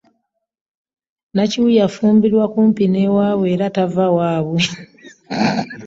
Nakiwu yafumbirwa kumpi n'ewaabwe era tava waabwe.